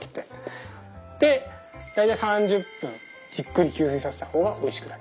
で大体３０分じっくり吸水させた方がおいしくなる。